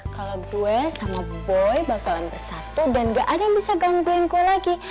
kalau gue sama boy bakalan bersatu dan gak ada yang bisa gangguinku lagi